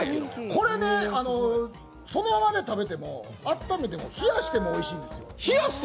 これね、そのままで食べてもあっためても、冷やしてもおいしいんですよ